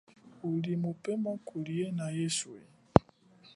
Uli mupema kuhiana eswe.